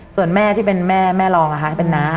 ส่วนแม่ที่เป็นแม่แม่รองนะคะที่เป็นน้า